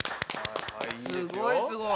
すごいすごい。